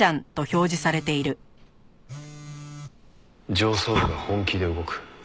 上層部が本気で動く。